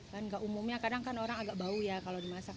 kan nggak umumnya kadang kan orang agak bau ya kalau dimasak